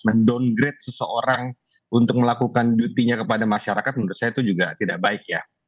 mendowngrade seseorang untuk melakukan dutinya kepada masyarakat menurut saya itu juga tidak baik ya